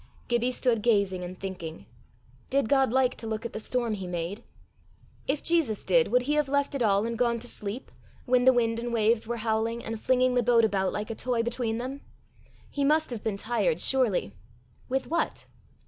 Gibbie stood gazing and thinking. Did God like to look at the storm he made? If Jesus did, would he have left it all and gone to sleep, when the wind and waves were howling, and flinging the boat about like a toy between them? He must have been tired, surely! With what?